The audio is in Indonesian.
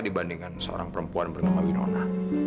dibandingkan seorang perempuan bernama winona